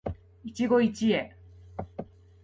一期一会